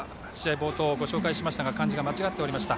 冒頭ご紹介しましたが間違っていました。